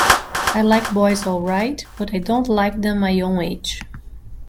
I like boys all right, but I don't like them my own age.